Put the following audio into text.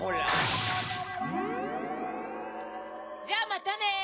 じゃあまたね！